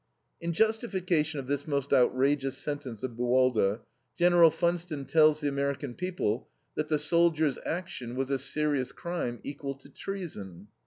In justification of this most outrageous sentence of Buwalda, Gen. Funston tells the American people that the soldier's action was a "serious crime equal to treason."